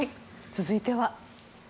続いては。